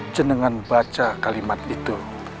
cenengan baca kalimat itu